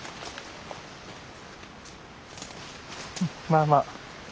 まあまあ。